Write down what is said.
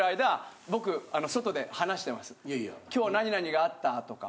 今日何々があったとか。